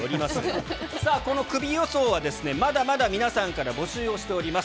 さあ、このクビ予想は、まだまだ皆さんから募集をしております。